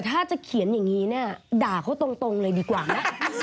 ถ้าจะเขียนอย่างนี้เนี่ยด่าเขาตรงเลยดีกว่านะ